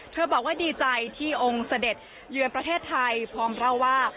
บอกว่าดีใจที่องค์เสด็จเยือนประเทศไทยพร้อมเล่าว่า